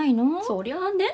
そりゃね。